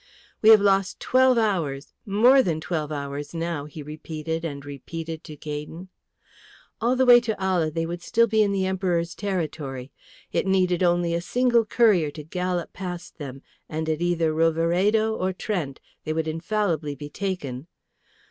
"We have lost twelve hours, more than twelve hours now," he repeated and repeated to Gaydon. All the way to Ala they would still be in the Emperor's territory. It needed only a single courier to gallop past them, and at either Roveredo or Trent they would infallibly be taken.